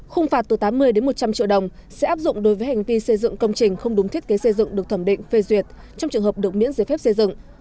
khung phạt từ tám mươi một trăm linh triệu đồng sẽ áp dụng đối với hành vi xây dựng công trình không đúng thiết kế xây dựng được thẩm định phê duyệt trong trường hợp được miễn giấy phép xây dựng